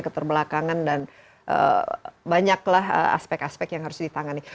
keterbelakangan dan banyaklah aspek aspek yang harus ditangani